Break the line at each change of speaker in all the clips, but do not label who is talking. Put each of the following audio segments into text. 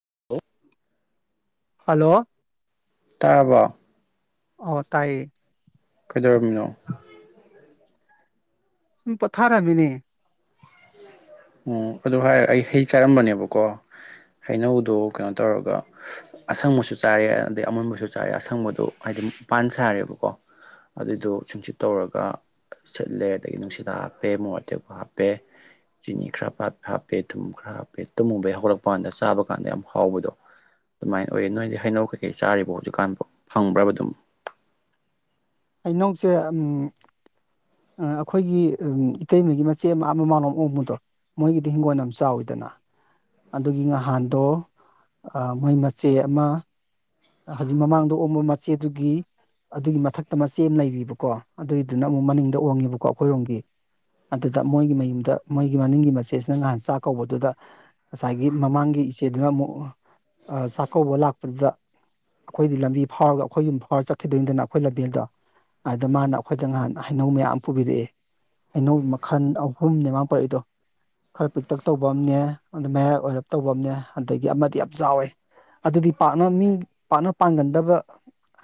[inaudible]
Hello
ꯇꯥꯔꯕ꯭ꯔꯣ
ꯑꯣ ꯇꯥꯏꯌꯦ
ꯀꯩꯗꯧꯔꯝꯃꯤꯅꯣ
ꯁꯨꯝ ꯄꯣꯊꯥꯔꯝꯃꯤꯅꯦ
ꯎꯝ ꯑꯗꯨ ꯍꯥꯏꯔꯦ ꯑꯩ ꯍꯩ ꯆꯥꯔꯝꯕꯅꯦꯕꯀꯣ ꯍꯩꯅꯧꯗꯣ ꯀꯩꯅꯣ ꯇꯧꯔꯒ ꯑꯁꯪꯕꯁꯨ ꯆꯥꯔꯦ ꯑꯗꯩ ꯑꯃꯨꯟꯕꯁꯨ ꯆꯥꯔꯦ ꯑꯁꯪꯕꯗꯣ ꯍꯥꯏ ꯍꯥꯏ ꯃꯄꯥꯟ ꯁꯥꯔꯦꯕꯀꯣ ꯑꯗꯨꯏꯗꯣ ꯁꯨꯡꯆꯠ ꯇꯧꯔꯒ ꯁꯤꯠꯂꯦ ꯑꯗꯒꯤ ꯅꯨꯡꯁꯤꯠꯗ ꯍꯥꯞꯄꯦ ꯃꯣꯔꯣꯛ ꯑꯇꯦꯛꯄ ꯍꯥꯞꯄꯦ ꯆꯤꯅꯤ ꯈꯔ ꯍꯥꯞꯄꯦ ꯊꯨꯝ ꯈꯔ ꯍꯥꯞꯄꯦ ꯇꯨꯝꯃꯨꯕꯩ ꯍꯧꯔꯛꯄꯩ ꯀꯥꯟꯗ ꯆꯥꯕ ꯀꯥꯟꯗ ꯌꯥꯝ ꯍꯥꯎꯕꯗꯣ ꯑꯗꯨꯃꯥꯏꯅ ꯑꯣꯏꯌꯦ ꯅꯣꯏꯗꯤ ꯍꯩꯅꯧ ꯀꯩꯀꯩ ꯆꯥꯔꯤꯕꯣ ꯍꯧꯖꯤꯛꯀꯥꯟꯗ ꯐꯪꯕ꯭ꯔꯕ ꯑꯗꯨꯝ
ꯑꯩꯅꯧꯁꯦ ꯑꯩꯈꯣꯏꯒꯤ ꯏꯇꯩꯃꯒꯤ ꯃꯆꯦ ꯑꯃ ꯃꯃꯥꯡꯂꯣꯝ ꯑꯣꯡꯕꯗꯣ ꯃꯣꯏꯒꯤꯗꯤ ꯍꯤꯡꯒꯣꯟ ꯌꯥꯝ ꯆꯥꯎꯋꯤꯗꯅ ꯑꯗꯨꯒꯤ ꯅꯍꯥꯟꯗꯣ ꯃꯣꯏ ꯃꯆꯦ ꯑꯃ ꯍꯧꯖꯤꯛ ꯃꯃꯥꯡꯗ ꯑꯣꯝꯕ ꯃꯆꯦꯗꯨꯒꯤ ꯑꯗꯨꯒꯤ ꯃꯊꯛꯇ ꯃꯆꯦ ꯑꯃ ꯂꯩꯔꯤꯕꯀꯣ ꯑꯗꯨꯏꯗꯨꯅ ꯑꯃꯨꯛ ꯃꯅꯤꯡꯗ ꯑꯣꯡꯉꯦꯕꯀꯣ ꯑꯩꯈꯣꯏꯔꯣꯝꯒꯤ ꯑꯗꯨꯗ ꯃꯣꯏꯒꯤ ꯃꯌꯨꯝꯗ ꯃꯣꯏꯒꯤ ꯃꯅꯤꯡꯒꯤ ꯃꯆꯦꯁꯤꯅ ꯉꯍꯥꯟ ꯆꯥꯛ ꯀꯧꯕꯗꯨꯗ ꯉꯁꯥꯏꯒꯤ ꯃꯃꯥꯡꯒꯤ ꯏꯆꯦꯗꯨꯅ ꯑꯃꯨꯛ ꯆꯥꯛꯀꯧꯕ ꯂꯥꯛꯄꯗꯨꯗ ꯑꯩꯈꯣꯏꯗꯤ ꯂꯝꯕꯤ ꯐꯥꯎꯔꯒ ꯑꯩꯈꯣꯏꯌꯨꯝꯕ ꯐꯥꯎꯔ ꯆꯠꯈꯤꯗꯣꯏꯅꯤꯗꯅ ꯑꯩꯈꯣꯏ ꯂꯝꯕꯦꯜꯗꯣ ꯑꯗ ꯃꯥꯅ ꯑꯩꯈꯣꯏꯗ ꯉꯍꯥꯟ ꯍꯩꯅꯧ ꯃꯌꯥꯝ ꯄꯨꯕꯤꯔꯛꯑꯦ ꯑꯩꯅꯧ ꯃꯈꯜ ꯑꯍꯨꯝꯅꯦ ꯃꯥꯟ ꯄꯔꯛꯏꯗꯣ ꯈꯔ ꯄꯤꯛꯇꯛ ꯇꯧꯕ ꯑꯝꯅꯦ ꯑ ꯃꯌꯥ ꯑꯣꯏꯔꯞ ꯇꯧꯕ ꯑꯝꯅꯦ ꯑꯗꯒꯤ ꯑꯃꯗꯤ ꯌꯥꯝ ꯆꯥꯎꯋꯦ ꯑꯗꯨꯗꯤ ꯄꯥꯛꯅ ꯃꯤ ꯄꯥꯛꯅ ꯄꯥꯡꯒꯟꯗꯕ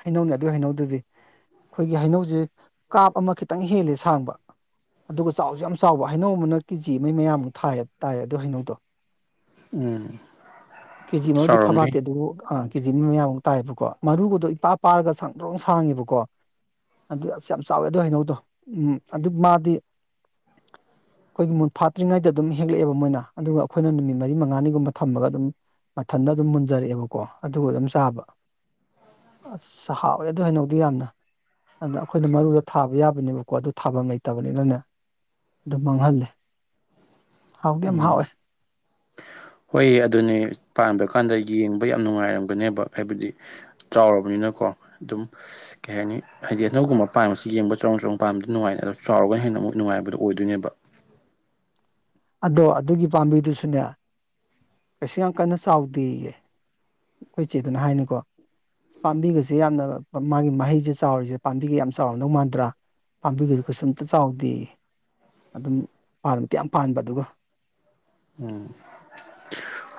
ꯍꯩꯅꯧꯅꯤ ꯑꯗꯨꯒꯤ ꯍꯩꯅꯧꯗꯨꯗꯤ ꯑꯩꯈꯣꯏꯒꯤ ꯍꯩꯅꯧꯁꯦ ꯀꯥꯞ ꯑꯃ ꯈꯤꯇꯪ ꯍꯦꯜꯂꯦ ꯁꯥꯡꯕ ꯑꯗꯨꯒ ꯆꯥꯎꯁꯨ ꯌꯥꯝ ꯆꯥꯎꯕ ꯍꯩꯅꯧ ꯑꯃꯅ ꯀꯦꯖꯤ ꯃꯩ ꯃꯌꯥꯃꯨꯛ ꯊꯥꯏ ꯇꯥꯏ ꯑꯗꯨ ꯍꯩꯅꯧꯗꯣ
ꯎꯝ
ꯀꯦꯖꯤ ꯃꯕꯨꯗꯤ
ꯆꯥꯎꯔꯝꯅꯤ
ꯐꯐꯥꯠꯇꯦ ꯑꯗꯨꯕꯨ ꯑ ꯍꯧꯖꯤ ꯃꯌꯥꯝ ꯑꯃꯛ ꯇꯥꯏꯑꯕꯀꯣ ꯃꯔꯨꯕꯗꯣ ꯏꯄꯥ ꯄꯥꯔꯒ ꯁꯥꯡꯕ꯭ꯔꯣꯡ ꯁꯥꯡꯉꯦꯕꯀꯣ ꯑꯗꯨ ꯑꯁ ꯌꯥꯝ ꯆꯥꯎꯋꯦ ꯑꯗꯨ ꯍꯩꯅꯧꯗꯣ ꯎꯝ ꯑꯗꯨ ꯃꯥꯗꯤ ꯑꯩꯈꯣꯏꯒꯤ ꯃꯨꯟ ꯐꯥꯠꯇ꯭ꯔꯤꯉꯩꯗ ꯑꯗꯨꯝ ꯍꯦꯛꯂꯛꯑꯦꯕ ꯃꯣꯏꯅ ꯑꯗꯨꯒ ꯑꯩꯈꯣꯏꯅ ꯅꯨꯃꯤꯠ ꯃꯔꯤ ꯃꯉꯥꯅꯤꯒꯨꯝꯕ ꯊꯝꯃꯒ ꯑꯗꯨꯝ ꯃꯊꯟꯇ ꯑꯗꯨꯝ ꯃꯨꯟꯖꯔꯛꯑꯦꯕꯀꯣ ꯑꯗꯨꯒ ꯑꯗꯨꯝ ꯆꯥꯕ ꯑꯁ ꯍꯥꯎꯋꯦ ꯑꯗꯨ ꯍꯩꯅꯧꯗꯤ ꯌꯥꯝꯅ ꯑꯗ ꯑꯩꯈꯣꯏꯅ ꯃꯔꯨꯗ ꯊꯥꯕ ꯌꯥꯕꯅꯦꯕꯀꯣ ꯑꯗꯨ ꯊꯥꯐꯝ ꯂꯩꯇꯕꯅꯤꯅꯅꯦ ꯑꯗꯨ ꯃꯥꯡꯍꯜꯂꯦ ꯍꯥꯎꯗꯤ ꯌꯥꯝ
ꯎꯝ
ꯍꯥꯎꯋꯦ
ꯍꯣꯏ ꯑꯗꯨꯅꯦ ꯄꯥꯟꯕ ꯀꯥꯟꯗ ꯌꯦꯡꯕ ꯌꯥꯝ ꯅꯨꯡꯉꯥꯏꯔꯝꯒꯅꯦꯕ ꯍꯥꯏꯕꯗꯤ ꯆꯥꯎꯔꯕꯅꯤꯅ ꯀꯣ ꯑꯗꯨꯝ ꯀꯩ ꯍꯥꯏꯅꯤ ꯍꯥꯏꯗꯤ ꯑꯅꯧꯕꯨꯝꯕ ꯄꯥꯝꯕꯁꯤ ꯌꯦꯡꯕ ꯆꯔꯣꯡ ꯆꯔꯣꯡ ꯄꯥꯝꯕꯗꯤ ꯅꯨꯡꯉꯥꯏꯅ ꯑꯗꯨ ꯆꯥꯎꯅꯒ ꯍꯦꯟ ꯅ ꯑꯃꯨꯛ ꯅꯨꯡꯉꯥꯏꯗꯣ ꯑꯣꯏꯗꯣꯏꯅꯦꯕ
[inaudible] ꯑꯗꯣ ꯑꯗꯨꯒꯤ ꯄꯥꯝꯕꯤꯗꯨꯁꯨꯅꯦ ꯀꯩꯁꯨ ꯌꯥꯝ ꯀꯟꯅ ꯆꯥꯎꯗꯦꯌꯦ ꯑꯩꯈꯣꯏ ꯏꯆꯦ ꯑꯗꯨꯅ ꯍꯥꯏꯅꯤꯀꯣ ꯄꯥꯝꯕꯤꯒꯁꯦ ꯌꯥꯝꯅ ꯃꯥꯒꯤ ꯃꯍꯩꯁꯦ ꯆꯥꯎꯔꯤꯁꯦ ꯄꯥꯝꯕꯤꯒ ꯌꯥꯝ ꯆꯥꯎꯔꯝꯗꯧ ꯃꯥꯟꯗ꯭ꯔꯥ ꯄꯥꯝꯕꯤꯒꯗꯨ ꯀꯩꯁꯨꯝꯇ ꯆꯥꯎꯗꯦ ꯑꯗꯨꯝ ꯄꯥꯟꯕꯗꯤ ꯌꯥꯝ ꯄꯥꯟꯕ ꯑꯗꯨꯒ
ꯎꯝ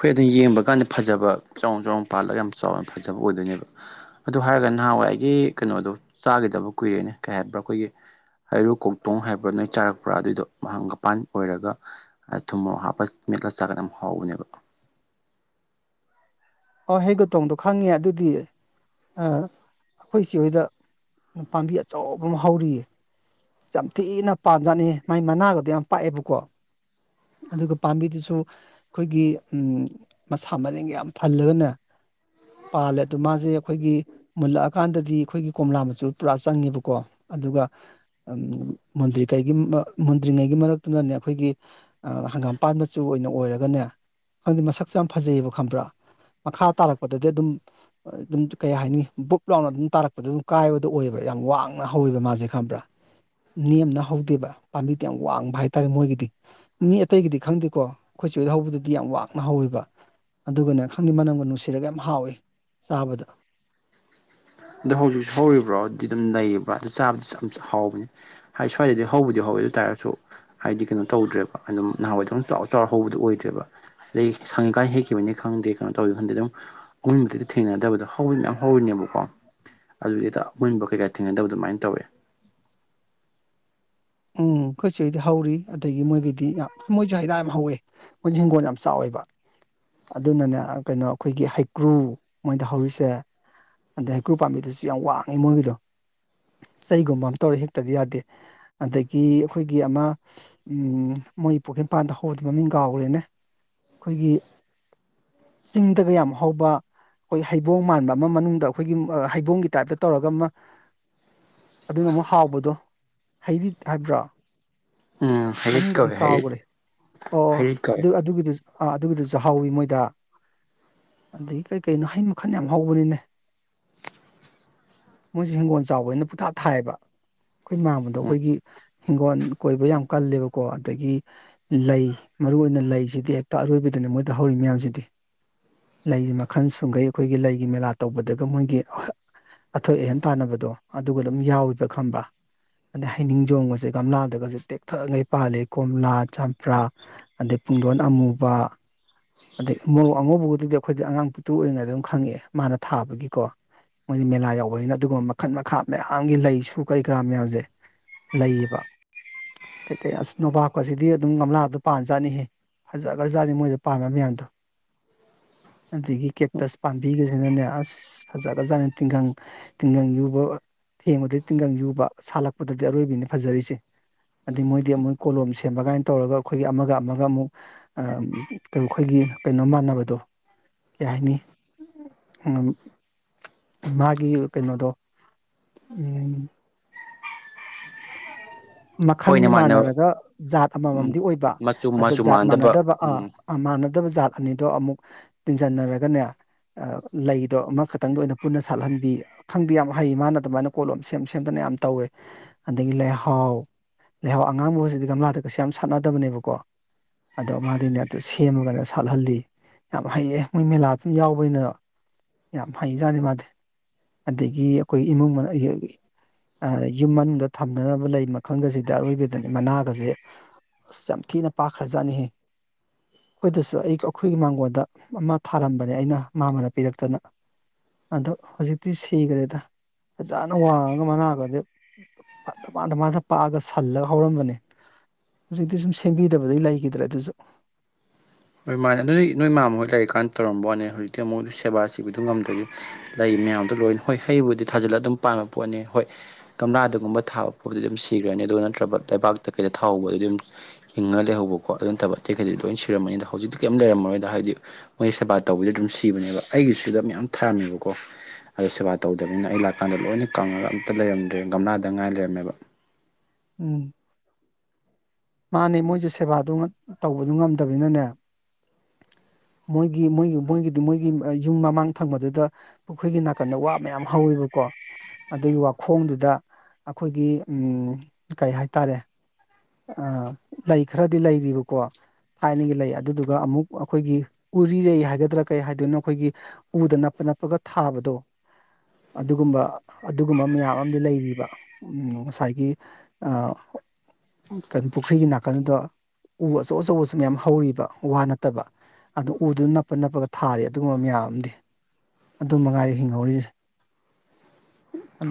ꯑꯩꯈꯣꯏ ꯑꯗꯨꯝ ꯌꯦꯡꯕ ꯀꯥꯟꯗ ꯐꯖꯕ ꯆꯥꯎ ꯆꯥꯎꯅ ꯄꯥꯜꯂꯒ ꯌꯥꯝ ꯆꯥꯎꯅ ꯐꯖꯕ ꯑꯣꯏꯗꯣꯏꯅꯦꯕ ꯑꯗꯨ ꯍꯥꯏꯔꯒ ꯅꯍꯥꯋꯥꯢ ꯈꯏꯒꯤ ꯀꯩꯅꯣꯗꯣ ꯆꯥꯒꯤꯗꯕ ꯀꯨꯏꯔꯦꯅꯦ ꯀꯩ ꯍꯥꯏꯕ꯭ꯔꯥ ꯑꯩꯈꯣꯏꯒꯤ ꯍꯩꯔꯨ ꯀꯧꯇꯣꯡ ꯍꯥꯏꯕ꯭ꯔꯥ ꯅꯣꯏ ꯆꯥꯔꯛꯄ꯭ꯔꯥ ꯑꯗꯨꯏꯗꯣ ꯃꯍꯥꯛꯥꯡꯒꯄꯥꯟ ꯑꯣꯏꯔꯒ ꯊꯨꯝꯃꯣꯔꯣꯛ ꯍꯥꯞꯄꯒ ꯃꯦꯠꯂꯥ ꯆꯥꯒꯥꯟ ꯌꯥꯝ ꯍꯥꯎꯕꯅꯦꯕ
ꯑꯣ ꯍꯦꯒ ꯇꯣꯡꯗꯣ ꯈꯪꯉꯦ ꯑꯗꯨꯗꯤ ꯑ ꯑꯈꯣꯏ ꯆꯦ ꯍꯣꯏꯗ ꯄꯥꯝꯕꯤ ꯑꯆꯧꯕ ꯑꯃ ꯍꯧꯔꯤꯌꯦ ꯌꯥꯝ ꯊꯤꯅ ꯄꯥꯟꯖꯥꯠꯅꯤ ꯍꯦ ꯃꯥꯏ ꯃꯅꯥꯒꯗꯣ ꯌꯥꯝ ꯄꯥꯛ ꯑꯦꯕꯀꯣ ꯑꯗꯨꯒ ꯄꯥꯝꯕꯤꯗꯨꯁꯨ ꯈꯣꯏꯒꯤ ꯎꯝ ꯃꯁꯥ ꯃꯔꯦꯡ ꯌꯥꯝ ꯐꯜꯂꯒ ꯅꯦ ꯄꯥꯜꯂꯦ ꯑꯗꯨ ꯃꯥꯁꯦ ꯑꯈꯣꯏꯒꯤ ꯃꯨꯜꯂꯛꯑ ꯀꯥꯟꯗꯗꯤ ꯈꯣꯏꯒꯤ ꯀꯣꯝꯂꯥ ꯃꯆꯨ ꯄꯨꯔꯥ ꯆꯪꯉꯦꯕꯀꯣ ꯑꯗꯨꯒ ꯃꯨꯟꯗ꯭ꯔꯤꯉꯩꯒꯤ ꯃ ꯃꯨꯟꯗ꯭ꯔꯤꯉꯩꯒꯤ ꯃꯔꯛꯇꯨꯅꯅꯦ ꯑꯈꯣꯏꯒꯤ ꯍꯪꯒꯥꯝꯄꯥꯟ ꯃꯆꯨ ꯑꯣꯏꯅ ꯑꯣꯏꯔꯒꯅꯦ ꯈꯪꯗꯦ ꯃꯁꯛꯁꯨ ꯌꯥꯝ ꯐꯖꯩꯌꯦꯕ ꯈꯪꯕ꯭ꯔꯥ ꯃꯈꯥ ꯇꯥꯔꯛꯄꯗꯗꯤ ꯑꯗꯨꯝ ꯑꯗꯨꯝ ꯀꯩ ꯍꯥꯏꯅꯤ ꯕꯨꯛ ꯂꯥꯎꯅ ꯑꯗꯨꯝ ꯇꯥꯔꯛꯄꯗ ꯑꯗꯨꯝ ꯀꯥꯏꯕꯗꯣ ꯑꯣꯏ ꯌꯦꯕ ꯌꯥꯝ ꯋꯥꯡꯅ ꯍꯧꯋꯦꯕ ꯃꯥꯁꯦ ꯈꯪꯕ꯭ꯔꯥ ꯅꯦꯝꯅ ꯍꯧꯗꯦꯕ ꯄꯥꯝꯕꯤꯗꯤ ꯌꯥꯝ ꯋꯥꯡꯕ ꯍꯥꯏꯇꯥꯔꯦ ꯃꯣꯏꯒꯤꯗꯤ ꯃꯤ ꯑꯇꯩꯒꯤꯗꯤ ꯈꯪꯗꯦꯀꯣ ꯈꯣꯏ ꯆꯦ ꯍꯣꯏꯗ ꯍꯧꯕꯗꯨꯗꯤ ꯌꯥꯝ ꯋꯥꯡꯅ ꯍꯧꯋꯦꯕ ꯑꯗꯨꯒꯅ ꯈꯪꯗꯦ ꯃꯅꯝꯒ ꯅꯨꯡꯁꯤꯔꯒ ꯌꯥꯝ ꯍꯥꯎꯏꯤ ꯆꯥꯕꯗ
ꯑꯗꯨ ꯍꯧꯖꯤꯛꯁꯨ ꯍꯧꯔꯤꯕ꯭ꯔꯣ [unintelligible] ꯗꯨꯝ ꯂꯩ [unintelligible] ꯑꯗꯨ ꯆꯥꯕꯗꯨꯁꯨ ꯌꯥꯝ ꯍꯥꯎꯕꯅꯦ ꯍꯥꯏꯗꯤ ꯁ꯭ꯋꯥꯏꯗꯗꯤ ꯍꯧꯕꯗꯤ ꯍꯧꯋꯦ ꯑꯗꯨ ꯇꯥꯔꯁꯨ ꯍꯥꯏꯗꯤ ꯀꯩꯅꯣ ꯇꯧꯗ꯭ꯔꯦꯕ ꯑꯗꯨꯝ ꯅꯍꯥꯟꯋꯥꯏ ꯗꯧꯅ ꯆꯥꯎꯔ ꯆꯥꯎꯔ ꯍꯧꯕꯗꯣ ꯑꯣꯏꯗ꯭ꯔꯦꯕ ꯑꯗꯩ ꯁꯪꯉꯤ ꯀꯥꯏ ꯍꯦꯛꯈꯤꯕꯅꯤ ꯈꯪꯗꯦ ꯀꯩꯅꯣ ꯇꯧꯗꯦ ꯈꯪꯗꯦ ꯑꯗꯨꯝ ꯑꯃꯨꯟꯕꯗꯤ ꯇ ꯊꯦꯡꯅꯗꯕꯗꯣ ꯍꯧꯅꯗꯤ ꯃꯌꯥꯝ ꯍꯧꯔꯤꯅꯦꯕ [unintelligible] ꯑꯗꯨꯗꯩꯗ ꯑꯃꯨꯟꯕ ꯀꯩꯀꯥ ꯊꯦꯡꯅꯗꯕ ꯑꯗꯨꯃꯥꯏꯅ ꯇꯧꯋꯦ
ꯎꯝ ꯈꯣꯏ ꯆꯦ ꯍꯣꯏꯗꯤ ꯍꯧꯔꯤ ꯑꯗꯒꯤ ꯃꯣꯏꯒꯤꯗꯤ ꯌꯥꯝ ꯃꯣꯏꯁꯨ ꯍꯩꯔꯥ ꯌꯥꯝ ꯍꯧꯋꯦ ꯃꯣꯏꯁꯨ ꯍꯤꯡꯒꯣꯜ ꯌꯥꯝ ꯆꯥꯎꯋꯦ ꯕ ꯑꯗꯨꯅꯅꯦ ꯀꯩꯅꯣ ꯑꯩꯈꯣꯏꯒꯤ ꯍꯩꯀ꯭ꯔꯨ ꯃꯣꯏꯗ ꯍꯧꯔꯤꯁꯦ ꯑꯗ ꯍꯩꯀ꯭ꯔꯨ ꯄꯥꯝꯕꯤꯗꯨꯁꯨ ꯌꯥꯝ ꯋꯥꯡꯉꯦ ꯃꯣꯏꯒꯤꯗꯣ ꯆꯩꯒꯨꯝꯕ ꯑꯝ ꯇꯧꯔꯦ ꯍꯦꯛꯇꯗꯤ ꯌꯥꯗꯦ ꯑꯗꯒꯤ ꯑꯈꯣꯏꯒꯤ ꯑꯃ ꯃꯣꯏ ꯄꯨꯈ꯭ꯔꯤꯄꯥꯟꯗ ꯍꯧꯕꯗꯣ ꯃꯃꯤꯡ ꯀꯥꯎꯒ꯭ꯔꯦꯅꯦ ꯈꯣꯏꯒꯤ ꯆꯤꯡꯗꯒ ꯌꯥꯝ ꯍꯥꯎꯧꯕ ꯈꯣꯏ ꯍꯩꯕꯣꯡ ꯃꯥꯟꯕ ꯑꯃ ꯃꯅꯨꯡꯗ ꯑꯩꯈꯣꯏꯒꯤ ꯑ ꯍꯩꯕꯣꯡꯒꯤ ꯇꯥꯏꯞꯇ ꯇꯧꯔꯒ ꯃ ꯑꯗꯨꯅ ꯑꯃꯨꯛ ꯍꯥꯎꯕꯗꯣ ꯍꯩꯔꯤꯠ ꯍꯥꯏꯕ꯭ꯔꯣ
ꯎꯝ ꯍꯩꯔꯤꯠ
ꯃꯃꯤꯡꯗꯨꯣ ꯑꯩ
ꯀꯧꯋꯦ ꯍꯩꯔꯤꯠ
ꯀꯥꯎꯈ꯭ꯔꯦ ꯑꯣ
ꯍꯩꯔꯤꯠ ꯀꯧꯋꯦ
ꯑꯗꯨ ꯑꯗꯨꯒꯤꯗꯨꯁꯨ ꯑꯥ ꯑꯗꯨꯒꯤꯗꯨꯁꯨ ꯍꯥꯎꯋꯤ ꯃꯣꯏꯗ ꯑꯗꯒꯤ ꯀꯩ ꯀꯩꯅꯣ ꯍꯩ ꯃꯈꯟ ꯌꯥꯝ ꯍꯧꯕꯅꯤꯅꯦ ꯃꯣꯏꯁꯦ ꯍꯤꯡꯒꯣꯜ ꯆꯥꯎꯕꯅꯤꯅ ꯄꯨꯡꯊꯥ ꯊꯥꯌꯦꯕ ꯈꯣꯏ ꯃꯥꯝꯃꯗꯣ
ꯎꯝ
ꯑꯩꯈꯣꯏꯒꯤ ꯍꯤꯡꯒꯣꯜ ꯀꯣꯏꯕ ꯌꯥꯝ ꯀꯜꯂꯦꯕꯀꯣ ꯑꯗꯒꯤ ꯂꯩ ꯃꯔꯨ ꯑꯣꯏꯅ ꯂꯩꯁꯤꯗꯤ ꯍꯦꯛꯇ ꯑꯔꯣꯏꯕꯗꯅꯦ ꯃꯣꯏꯗ ꯍꯧꯔꯤ ꯃꯌꯥꯝꯁꯤꯗꯤ ꯂꯩꯒꯤ ꯃꯈꯜ ꯁꯨꯡꯈꯩ ꯑꯩꯈꯣꯏꯒꯤ ꯂꯩꯒꯤ ꯃꯦꯂꯥ ꯇꯧꯕꯗꯒ ꯃꯣꯏꯒꯤ ꯑꯊꯣꯏ ꯑꯍꯦꯟ ꯇꯥꯟꯅꯕꯗꯣ ꯑꯗꯨꯒ ꯑꯗꯨꯝ ꯌꯥꯎꯏꯕ꯭ꯔ ꯈꯪꯕ꯭ꯔꯥ ꯑꯗꯩ ꯍꯩꯅꯤꯡ ꯖꯣꯝꯒꯁꯦ ꯒꯝꯂꯥꯗꯒꯁꯦ ꯇꯦꯛ ꯊ ꯉꯩ ꯄꯥꯜꯂꯤ ꯀꯣꯝꯂꯥ ꯆꯝꯄ꯭ꯔꯥ ꯑꯗꯩ ꯄꯨꯡꯗꯣꯟ ꯑꯃꯨꯕ ꯑꯗꯩ ꯃꯣꯔꯣꯛ ꯑꯉꯧꯕꯒꯗꯨꯗꯤ ꯑꯩꯈꯣꯏꯗꯤ ꯑꯉꯥꯡ ꯄꯤꯛꯇ꯭ꯔꯨ ꯑꯣꯏꯉꯩꯗ ꯑꯗꯨꯝ ꯈꯪꯉꯛꯑꯦ ꯃꯥꯅ ꯊꯥꯕꯒꯤꯀꯣ ꯃꯣꯏꯗꯤ ꯃꯦꯂꯥ ꯌꯥꯎꯕꯅꯤꯅ ꯑꯗꯨꯒꯨꯝꯕ ꯃꯈꯜ ꯃꯈꯥ ꯃꯌꯥꯝꯒꯤ ꯂꯩꯁꯨ ꯀꯔꯤ ꯀꯔꯥ ꯃꯌꯥꯝꯁꯦ ꯂꯩꯌꯦꯕ ꯀꯩꯀꯩ ꯑꯁ ꯅꯣꯕꯥꯞ ꯀꯁꯤꯗꯤ ꯑꯗꯨꯝ ꯒꯝꯂꯥꯗ ꯄꯥꯟ ꯖꯥꯠꯅꯤꯍꯦ ꯐꯖꯈ꯭ꯔꯖꯥꯠꯅꯤ ꯃꯣꯏꯗ ꯄꯥꯟꯕ ꯃꯌꯥꯝꯗꯣ ꯑꯗꯒꯤ ꯀꯦꯛꯇꯁ ꯄꯥꯝꯕꯤꯒ ꯁꯤꯅꯅꯦ ꯑꯁ ꯐꯖꯒ ꯖꯥꯠꯅꯦ ꯇꯤꯡꯒꯪ ꯇꯤꯡꯒꯪ ꯌꯨꯕ ꯊꯦꯡꯕꯗ ꯇꯤꯡꯒꯪ ꯌꯨꯕ ꯁꯥꯠꯂꯛꯄꯗꯗꯤ ꯑꯔꯣꯏꯕꯤꯅꯦ ꯐꯖꯔꯤꯁꯦ ꯑꯗꯩ ꯃꯣꯏꯗꯤ ꯃꯣꯏꯗꯤ ꯀꯣꯂꯣꯝ ꯁꯦꯝꯕꯀꯥꯏꯅ ꯇꯧꯔꯒ ꯑꯩꯈꯣꯏꯒꯤ ꯑꯃꯒ ꯑꯃꯒ ꯑꯃꯨꯛ ꯑ [unintelligible] ꯈꯣꯏꯒꯤ ꯀꯩꯅꯣ ꯃꯥꯟꯅꯕꯗꯣ ꯀꯩ ꯍꯥꯏꯅꯤ ꯃꯥꯒꯤ ꯀꯩꯅꯣꯗꯣ ꯎꯝ
ꯍꯣꯏꯅꯦ
ꯃꯈꯜꯗꯤ
ꯃꯥꯟꯅꯕ
ꯃꯥꯟꯅꯔꯒ ꯖꯥꯠ ꯑꯃꯃꯝ
ꯎꯝ
ꯑꯣꯏꯕ
ꯃꯆꯨ
ꯑꯗꯨ
ꯃꯆꯨ
ꯖꯥꯠ ꯃꯥꯟꯅꯗꯕ
ꯎꯝ
ꯑ ꯃꯥꯟꯅ ꯗꯕ ꯖꯥꯠ ꯑꯅꯤꯗꯣ ꯑꯃꯨꯛ ꯇꯤꯟꯖꯟ ꯅꯔꯒꯅꯦ ꯑ ꯂꯩꯗꯣ ꯑꯃꯈꯛꯇꯪꯗ ꯑꯣꯏꯅ ꯄꯨꯟꯅ ꯁꯥꯠꯂꯟꯕꯤ ꯈꯪꯗꯦ ꯌꯥꯝ ꯍꯩ ꯃꯥꯅ ꯑꯗꯨꯃꯥꯏꯅ ꯀꯣꯠꯂꯣꯝ ꯁꯦꯝ ꯁꯦꯝꯗꯅ ꯌꯥꯝ ꯇꯧꯋꯦ ꯑꯗꯒꯤ ꯂꯩꯍꯥꯎ ꯂꯩꯍꯥꯎ ꯑꯉꯥꯡꯕꯁꯤꯗꯤ ꯒꯝꯂꯥꯗ ꯀꯩꯁꯨ ꯌꯥꯝ ꯁꯥꯠꯅꯗꯕꯅꯦꯕꯀꯣ ꯑꯗꯣ ꯃꯥꯗꯤꯅꯦ ꯑꯗꯨ ꯁꯦꯝꯃꯒꯅꯦ ꯁꯥꯠꯍꯜꯂꯤ ꯌꯥꯝ ꯍꯩꯌꯦ ꯃꯣꯏ ꯃꯦꯂꯥ ꯑꯗꯨꯝ ꯌꯥꯎꯕꯅꯤꯅ ꯌꯥꯝ ꯍꯩꯖꯥꯠꯅꯤ ꯃꯥꯗꯤ ꯑꯗꯒꯤ ꯑꯩꯈꯣꯏ ꯏꯃꯨꯡ ꯃꯅꯨꯡ ꯑꯌꯌ ꯑ ꯌꯨꯝ ꯃꯅꯨꯡꯗ ꯊꯝꯅꯅꯕ ꯂꯩ ꯃꯈꯜꯒꯁꯤꯗ ꯑꯔꯣꯏꯕꯗꯅꯤ ꯃꯅꯥꯒꯁꯦ ꯑꯁ ꯌꯥꯝ ꯊꯤꯅ ꯄꯥꯛꯈ꯭ꯔꯖꯥꯠꯅꯤꯍꯦ ꯑꯩꯈꯣꯏꯗꯁꯨ ꯑꯩ ꯑꯩꯈꯣꯏꯒꯤ ꯃꯥꯡꯒꯣꯟꯜꯗ ꯑꯃ ꯊꯥꯔꯝꯕꯅꯦ ꯑꯩꯅ ꯃꯥꯃꯅ ꯄꯤꯔꯛꯇꯅ ꯑꯗ ꯍꯧꯖꯤꯛꯇꯤ ꯁꯤꯈ꯭ꯔꯦꯗ ꯐꯖꯅ ꯋꯥꯡꯉꯒ ꯃꯉꯥꯒꯗꯨ ꯄ ꯇ ꯃꯥꯟꯗ ꯃꯥꯟꯗ ꯄꯥꯛꯑꯒ ꯁꯜꯂꯒ ꯍꯧꯔꯝꯕꯅꯦ ꯍꯧꯖꯤꯛꯇꯤ ꯁꯨꯝ ꯁꯦꯝꯕꯤꯗꯕꯗꯩ ꯂꯩꯒꯤꯗ꯭ꯔꯦ ꯑꯗꯨꯁꯨ
ꯍꯣꯏ ꯃꯥꯅꯦ ꯑꯗꯨꯗꯤ ꯅꯣꯏ ꯃꯥꯝꯃ ꯍꯣꯏ ꯂꯩꯔꯤꯀꯥꯟꯗ ꯇꯧꯔꯝꯕ ꯋꯥꯅꯦ ꯍꯧꯖꯤꯛꯇꯤ ꯑꯃꯨꯛ ꯁꯦꯕꯥ ꯁꯤꯕꯗꯨ ꯉꯝꯗꯔꯗꯤ ꯂꯩ ꯃꯌꯥꯝꯗꯣ ꯂꯣꯏ ꯍꯣꯏ ꯍꯩꯕꯨꯗꯤ ꯊꯥꯖꯤꯜꯂꯒ ꯑꯗꯨꯝ ꯄꯥꯟꯕ ꯄꯣꯠꯅꯤ ꯍꯣꯏ ꯒꯝꯂꯥ ꯗꯒꯨꯝꯕ ꯊꯥꯕ ꯄꯣꯠꯁꯤꯗꯤ ꯑꯗꯨꯝ ꯁꯤꯈ꯭ꯔꯅꯤ ꯑꯗꯨꯗ ꯅꯠꯇ꯭ꯔꯕ ꯂꯩꯕꯥꯛꯇ ꯀꯩꯗ ꯊꯥꯍꯧꯕꯗ ꯑꯗꯨꯝ ꯍꯤꯡꯉꯒ ꯂꯩꯍꯧꯕꯀꯣ ꯑꯗꯨ ꯅꯠꯇꯕ ꯑꯇꯩꯩꯗꯤ ꯂꯣꯏ ꯁꯤꯔꯝꯃꯅꯤ ꯍꯧꯖꯤꯛ ꯀꯝ ꯂꯩꯔꯝꯃꯔꯣꯏꯗ ꯍꯥꯏꯗꯤ ꯃꯣꯏ ꯁꯦꯕꯥ ꯇꯧꯕꯤꯗꯗꯤ ꯑꯗꯨꯝ ꯁꯤꯕꯅꯦꯕ ꯑꯩꯒꯤꯁꯤꯗ ꯃꯌꯥꯝ ꯊꯔꯝꯃꯦꯕꯀꯣ ꯑꯗꯨ ꯁꯦꯕꯥ ꯇꯧꯗ꯭ꯔꯕꯅꯤꯅ ꯑꯩ ꯂꯥꯛꯀꯥꯟꯗ ꯂꯣꯏꯅ ꯀꯪꯉꯒ ꯑꯝꯇ ꯂꯩꯔꯝꯗ꯭ꯔꯦ ꯒꯝꯂꯥꯗ ꯉꯥꯏ ꯂꯩꯔꯝꯃꯦꯕ
ꯎꯝ ꯃꯥꯅꯤ ꯃꯣꯏꯁꯨ ꯁꯦꯕꯥꯗꯨ ꯇꯧꯕꯗꯨ ꯉꯝꯗꯕꯅꯤꯅꯅꯦ ꯃꯣꯏꯒꯤ ꯃꯣꯏꯒꯤ ꯃꯣꯏꯒꯤꯗꯤ ꯃꯣꯏꯒꯤ ꯑ ꯌꯨꯝ ꯃꯃꯥꯡ ꯊꯪꯕꯗꯨꯗ ꯄꯨꯈ꯭ꯔꯤꯒꯤ ꯅꯥꯀꯟꯗ ꯋꯥ ꯃꯌꯥꯝ ꯍꯧꯋꯦꯕ ꯀꯣ ꯑꯗꯨꯒꯤ ꯋꯥꯈꯣꯡꯗꯨꯗ ꯑꯈꯣꯏꯒꯤ ꯎꯝ ꯀꯩ ꯍꯥꯏꯇꯥꯔꯦ ꯑ ꯂꯩ ꯈꯔꯗꯤ ꯂꯩꯔꯤꯕꯀꯣ ꯊꯥꯏꯅꯒꯤ ꯂꯩ ꯑꯗꯨꯗꯨꯒ ꯑꯃꯨꯛ ꯑꯩꯈꯣꯏꯒꯤ ꯎꯔꯤꯔꯩ ꯍꯥꯏꯒꯗ꯭ꯔꯥ ꯀꯩ ꯍꯥꯏꯗꯣꯏꯅꯣ ꯑꯩꯈꯣꯏꯒꯤ ꯎꯗ ꯅꯞꯄ ꯅꯞꯄꯒ ꯊꯥꯕꯗꯣ ꯑꯗꯨꯒꯨꯝꯕ ꯑꯗꯨꯒꯨꯝꯕ ꯃꯌꯥꯝ ꯑꯃꯗꯤ ꯂꯩꯔꯤꯕ ꯉꯁꯥꯏꯒꯤ ꯑ ꯀꯩꯅꯣ ꯄꯨꯈ꯭ꯔꯤꯒꯤ ꯅꯥꯀꯟꯗꯗꯣ ꯎ ꯑꯆꯧ ꯑꯆꯧꯕꯁꯨ ꯃꯌꯥꯝ ꯍꯧꯔꯤꯕ ꯋꯥ ꯅꯠꯇꯕ ꯑꯗꯨ ꯎꯗꯨꯅ ꯅꯞꯄ ꯅꯞꯄꯒ ꯊꯥꯔꯤ ꯑꯗꯨꯒꯨꯝꯕ ꯃꯌꯥꯝ ꯑꯝꯗꯦ ꯑꯗꯨ ꯃꯉꯥꯏꯔꯦ ꯍꯤꯡꯍꯧꯔꯤꯁꯦ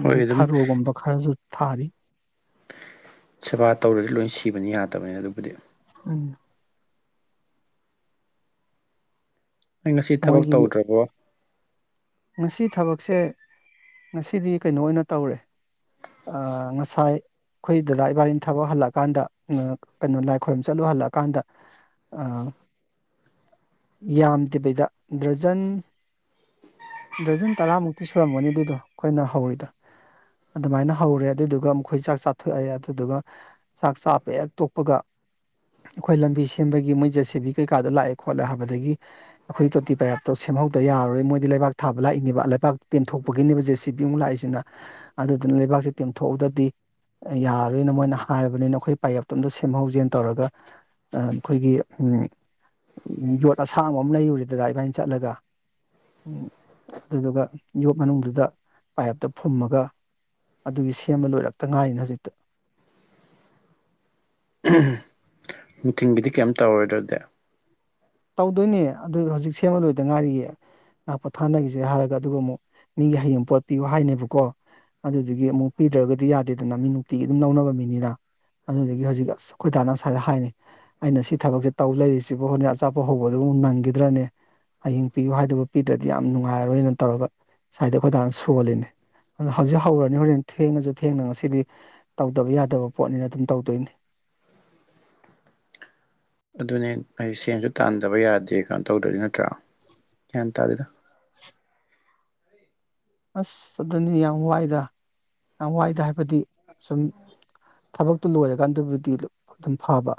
ꯍꯣꯏ ꯑꯗꯨꯝ
ꯊꯥꯔꯨꯒꯨꯝꯕ ꯈꯔꯁꯨ ꯊꯥꯔꯤ
ꯁꯦꯕꯥ ꯇꯧꯔꯗꯤ ꯂꯣꯏ ꯁꯤꯕꯅꯤ ꯌꯥꯗꯕꯅꯤ ꯑꯗꯨꯕꯨꯗꯤ
ꯎꯝ
ꯅꯪ ꯉꯁꯤ ꯊꯕꯛ
ꯃꯣꯏꯒꯤ
ꯇꯧꯗ꯭ꯔꯕꯣ
ꯉꯁꯤ ꯊꯕꯛꯁꯦ ꯉꯁꯤꯗꯤ ꯀꯩꯅꯣ ꯑꯣꯏꯅ ꯇꯧꯔꯦ ꯑ ꯉꯁꯥꯏ ꯑꯩꯈꯣꯏ ꯗꯗꯥ ꯏꯕꯥꯅꯤ ꯊꯕꯛ ꯍꯜꯂꯛꯀꯥꯟꯗ ꯉ ꯀꯩꯅꯣ ꯂꯥꯏ ꯈꯣꯏꯔꯝ ꯆꯠꯂꯨ ꯍꯜꯂꯛꯀꯥꯟꯗ ꯑ ꯌꯥꯝꯗꯕꯤꯗ ꯗ꯭ꯔꯖꯟ ꯗ꯭ꯔꯖꯟ ꯇꯔꯥꯃꯨꯛꯇꯤ ꯁꯨꯔꯝꯒꯅꯤ ꯑꯗꯨꯗꯣ ꯑꯩꯈꯣꯏꯅ ꯍꯧꯔꯤꯗꯣ ꯑꯗꯨꯃꯥꯏꯅ ꯍꯧꯔꯦ ꯑꯗꯨꯗꯨꯒ ꯃꯈꯣꯏ ꯆꯥꯛ ꯆꯥꯊꯣꯛꯑꯦ ꯑꯗꯨꯗꯨꯒ ꯆꯥꯛ ꯆꯥꯕ ꯍꯦꯛ ꯇꯣꯛꯄꯒ ꯑꯩꯈꯣꯏ ꯂꯝꯕꯤ ꯁꯦꯝꯕꯒꯤ ꯃꯣꯏ ꯖꯦꯁꯦꯕꯤ ꯀꯩꯀꯥꯗꯣ ꯂꯥꯛꯑꯦ ꯈꯣꯠꯂꯦ ꯍꯥꯏꯕꯗꯒꯤ ꯑꯩꯈꯣꯏ ꯇꯣꯇꯤ ꯄꯌꯥꯞꯇꯣ ꯁꯦꯝꯍꯧꯗ ꯌꯥꯔꯔꯣꯏ ꯃꯣꯏꯗꯤ ꯂꯩꯕꯥꯛ ꯊꯥꯕ ꯂꯥꯛꯏꯅꯦꯕ ꯂꯩꯕꯥꯛ ꯇꯦꯝꯊꯣꯛꯄꯒꯤꯅꯦꯕ ꯖꯦ ꯁꯤ ꯕꯤꯃꯨꯛ ꯂꯥꯛꯏꯁꯤꯅ ꯑꯗꯨꯗꯨꯅ ꯂꯩꯕꯥꯛꯁꯦ ꯇꯦꯝꯊꯣꯛꯑꯒꯗꯤ ꯌꯥꯔꯣꯏꯅ ꯃꯣꯏꯅ ꯍꯥꯏꯔꯕꯅꯤꯅ ꯑꯩꯈꯣꯏ ꯄꯥꯏꯌꯞꯇꯣꯝꯇ ꯁꯦꯝꯍꯧꯖꯦꯟ ꯇꯧꯔꯒ ꯑꯩꯈꯣꯏꯒꯤ ꯎꯝ ꯌꯣꯠ ꯑꯁꯥꯡꯕ ꯑꯃ ꯂꯩꯔꯨꯔꯦ ꯗꯗꯥ ꯏꯕꯥꯅꯤ ꯆꯠꯂꯒ ꯎꯝ ꯑꯗꯨꯗꯨꯒ ꯌꯣꯠ ꯃꯅꯨꯡꯗꯨꯗ ꯄꯥꯏꯞꯇꯣ ꯐꯨꯝꯃꯒ ꯑꯗꯨꯒꯤ ꯁꯦꯝꯕ ꯂꯣꯏꯔꯛꯇ ꯉꯥꯏꯔꯤꯅꯤ ꯍꯧꯖꯤꯛꯇ
ꯑꯝ ꯅꯨꯡꯊꯤꯟꯒꯤꯗꯤ ꯀꯩꯝ ꯇꯧꯔꯣꯏꯗ꯭ꯔ ꯑꯗꯨꯗꯤ
ꯇꯧꯗꯣꯏꯅꯦ ꯑꯗꯨ ꯍꯧꯖꯤꯛ ꯁꯦꯝꯃ ꯂꯣꯏꯗ ꯉꯥꯏꯔꯤꯌꯦ ꯂꯥꯛꯄ ꯊꯥꯅꯈꯤꯁꯦ ꯍꯥꯏꯔꯒ ꯑꯗꯨꯒ ꯑꯃꯨꯛ ꯃꯤꯒꯤ ꯍꯌꯦꯡ ꯄꯣꯠꯄꯤꯌꯨ ꯍꯥꯏꯅꯦꯕꯀꯣ ꯑꯗꯨꯗꯨꯒꯤ ꯑꯃꯨꯛ ꯄꯤꯗ꯭ꯔꯒꯗꯤ ꯌꯥꯗꯦꯗꯅ ꯃꯤ ꯅꯨꯡꯇꯤꯒꯤ ꯑꯗꯨꯝ ꯂꯧꯅꯕ ꯃꯤꯅꯤꯅ ꯑꯗꯨꯗꯒꯤ ꯍꯧꯖꯤꯛ ꯑꯁ ꯑꯩꯈꯣꯏꯗꯥꯥꯅ ꯉꯥꯁꯥꯏꯗꯩ ꯍꯥꯏꯅꯤ ꯑꯩꯅ ꯁꯤ ꯊꯕꯛꯁꯦ ꯇꯧ ꯂꯩꯔꯤꯁꯤꯕꯨ ꯍꯣꯔꯦꯟ ꯑꯆꯥꯞ ꯄꯣ ꯍꯧꯕꯗꯨꯕꯨ ꯅꯪꯈꯤꯗ꯭ꯔꯅꯦ ꯍꯌꯦꯡ ꯄꯤꯌꯨ ꯍꯥꯏꯗꯨꯕꯨ ꯄꯤꯗ꯭ꯔꯗꯤ ꯌꯥꯝ ꯅꯨꯡꯉꯥꯏꯔꯔꯣꯏꯅ ꯇꯧꯔꯒ ꯁ꯭ꯋꯥꯏꯗ ꯑꯩꯈꯣꯏꯗꯥꯅ ꯁꯣꯜꯂꯤꯅꯦ ꯑꯣ ꯍꯧꯖꯤꯛ ꯍꯧꯔꯅꯤ ꯍꯣꯔꯦꯟ ꯊꯦꯡꯉꯁꯨ ꯊꯦꯡꯅ ꯉꯁꯤꯗꯤ ꯇꯧꯗꯕ ꯌꯥꯗꯕ ꯄꯣꯠꯅꯤꯅ ꯑꯗꯨꯝ ꯇꯧꯗꯣꯏꯅꯤ꯫ [inaudible]
ꯑꯗꯨꯅꯦ ꯑꯩ ꯁꯦꯟꯁꯨ ꯇꯥꯟꯗꯕ ꯌꯥꯗꯦ ꯀꯩꯅꯣ ꯇꯧꯗ꯭ꯔꯗꯤ ꯅꯠꯇ꯭ꯔꯥ ꯒ꯭ꯌꯥꯟ ꯇꯥꯗꯦꯗ
ꯑꯁ ꯑꯗꯨꯅꯤ ꯌꯥꯝ ꯋꯥꯏꯗ ꯌꯥꯝ ꯋꯥꯏꯗ ꯍꯥꯏꯕꯗꯤ ꯁꯨꯝ ꯊꯕꯛꯇꯨ ꯂꯣꯏꯔꯀꯥꯟꯗꯨꯕꯨꯗꯤ ꯑꯗꯨꯝ ꯐꯕ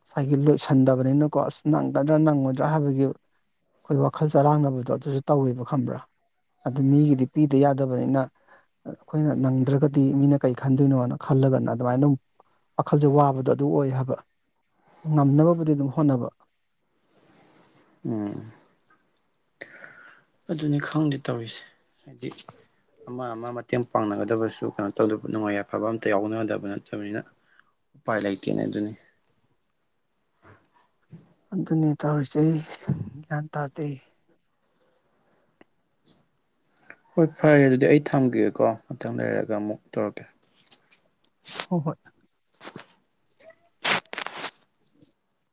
ꯉꯁꯥꯏꯒꯤ ꯂꯣꯏꯁꯟꯗꯕꯅꯤꯅꯀꯣ ꯑꯁ ꯅꯪꯒꯗ꯭ꯔꯥ ꯅꯪꯉꯣꯏꯗ꯭ꯔꯥ ꯍꯥꯏꯕꯒꯤ ꯑꯩꯈꯣꯏ ꯋꯥꯈꯜ ꯆꯔꯥꯡꯅꯕꯗꯣ ꯑꯗꯨꯁꯨ ꯇꯧꯋꯦꯕ ꯈꯪꯕ꯭ꯔꯥ ꯑꯗꯨ ꯃꯤꯒꯤ ꯗꯤ ꯄꯤꯗ ꯌꯥꯗꯕꯅꯤꯅ ꯑꯩꯈꯣꯏꯅ ꯅꯪꯗ꯭ꯔꯒꯗꯤ ꯃꯤꯅ ꯀꯔꯤ ꯈꯟꯗꯣꯏꯅꯣꯅ ꯈꯜꯂꯒꯅ ꯑꯗꯨꯃꯥꯏꯅ ꯑꯗꯨꯝ ꯋꯥꯈꯜꯁꯦ ꯋꯥꯕꯗꯣ ꯑꯗꯨ ꯑꯣꯏ ꯍꯥꯏꯕ ꯉꯝꯅꯕꯕꯨꯗꯤ ꯑꯗꯨꯝ ꯍꯣꯠꯅꯕ
ꯎꯝ ꯑꯗꯨꯅꯤ ꯈꯪꯗꯦ ꯇꯧꯔꯤꯁꯦ ꯍꯥꯏꯗꯤ ꯑꯃ ꯑꯃ ꯃꯇꯦꯡ ꯄꯥꯡꯅꯒꯗꯕꯁꯨ ꯀꯩꯅꯣ ꯇꯧꯗꯕ ꯅꯨꯡꯉꯥꯏ ꯌꯥꯏꯐꯕ ꯑꯃꯝꯇ ꯌꯥꯎꯅꯗꯕ ꯅꯠꯇꯕꯅꯤꯅ ꯎ ꯄꯥꯏ ꯂꯩ ꯇꯦꯅꯦ ꯑꯗꯨꯅꯤ
[inaudible] ꯑꯗꯨꯅꯤ ꯇꯧꯔꯤꯁꯦ ꯒ꯭ꯌꯥꯟ ꯇꯥꯗꯦ꯫
ꯍꯣꯏ ꯐꯔꯦ ꯑꯗꯨꯗꯤ ꯑꯩ ꯊꯝꯒꯦꯀꯣ ꯉꯥꯛꯇꯪ ꯂꯩꯔꯒ ꯑꯃꯨꯛ ꯇꯧꯔꯛꯀꯦ꯫
ꯍꯣꯏ ꯍꯣꯏ꯫